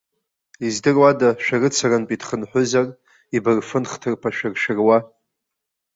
Издыруада, шәарыцарантәи дхынҳәызар, ибырфын хҭарԥа шәыршәыруа.